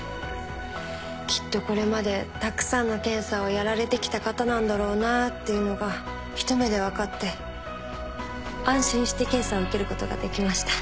きっとこれまでたくさんの検査をやられてきた方なんだろうなっていうのが一目で分かって安心して検査を受けることができました。